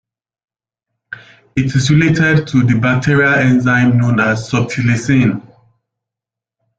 It is related to the bacterial enzyme known as subtilisin.